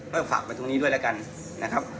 ก็ฝากไปตรงนี้ด้วยแล้วกันนะครับ